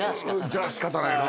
じゃあ仕方ないな。